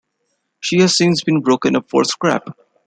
She has since been broken up for scrap.